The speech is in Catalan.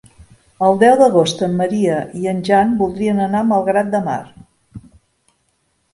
El deu d'agost en Maria i en Jan voldrien anar a Malgrat de Mar.